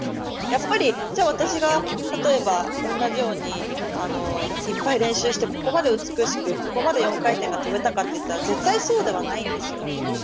やっぱり、じゃあ私が例えば同じようにいっぱい練習してここまで美しくここまで４回転が跳べたかといったら絶対そうではないんですよ。